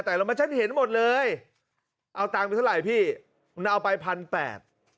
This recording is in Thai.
แต่เรามาฉันเห็นหมดเลยเอาตังค์ไปเท่าไหร่พี่มันเอาไปพันแปด